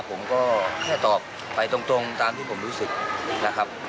ผมก็แค่ตอบไปตรงตามที่ผมรู้สึกนะครับ